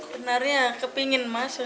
benarnya kepingin mas